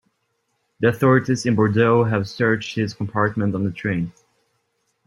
The authorities in Bordeaux have searched his compartment on the train.